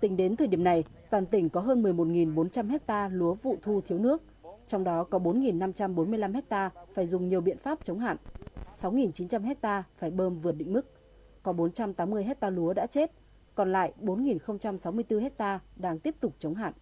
tính đến thời điểm này toàn tỉnh có hơn một mươi một bốn trăm linh hectare lúa vụ thu thiếu nước trong đó có bốn năm trăm bốn mươi năm hectare phải dùng nhiều biện pháp chống hạn sáu chín trăm linh hectare phải bơm vượt định mức có bốn trăm tám mươi hectare lúa đã chết còn lại bốn sáu mươi bốn hectare đang tiếp tục chống hạn